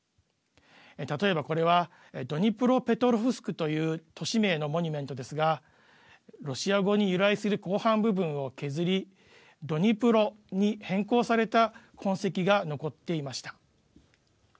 例えばこれはドニプロペトロフスクという都市名のモニュメントですがロシア語に由来する後半部分を削りドニプロに変更された痕跡が残っていました。